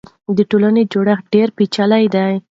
د ټولنې جوړښت ډېر پېچلی دی.